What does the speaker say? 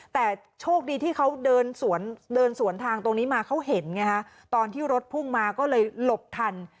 แต่โชคดีที่เขาเดินสวนเดินสวนทางตรงนี้มาเขาเห็นไงฮะตอนที่รถพุ่งมาก็เลยหลบทัน